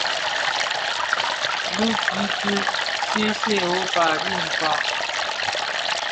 Bi ki ki see see Europa, adhi kpaa,